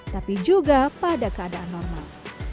tapi juga pada keadaan normal